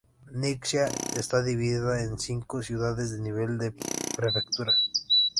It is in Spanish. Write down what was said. Ningxia está dividida en cinco Ciudades de Nivel de Prefectura.